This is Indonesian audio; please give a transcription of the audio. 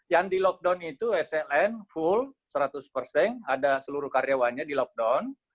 yang di lockdown itu sln full seratus persen ada seluruh karyawannya di lockdown